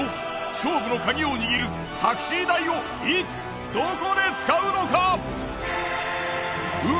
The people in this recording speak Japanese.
勝負のカギを握るタクシー代をいつどこで使うのか。